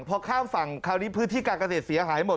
พอข้ามฝั่งคราวนี้พื้นที่การเกษตรเสียหายหมด